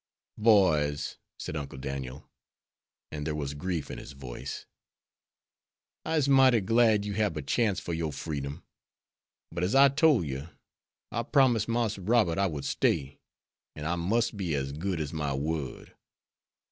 "Boys," said Uncle Daniel, and there was grief in his voice, "I'se mighty glad you hab a chance for your freedom; but, ez I tole yer, I promised Marse Robert I would stay, an' I mus' be as good as my word.